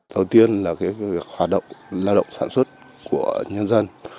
đầu tiên là hoạt động lao động sản xuất của nhân dân